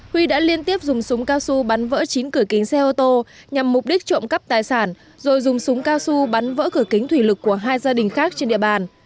huy đã liên tiếp dùng súng cao su bắn vỡ chín cửa kính xe ô tô nhằm mục đích trộm cắp tài sản rồi dùng súng cao su bắn vỡ cửa kính thủy lực của hai gia đình khác trên địa bàn